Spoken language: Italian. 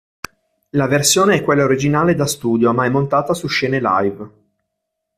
La versione è quella originale da studio, ma è montata su scene live.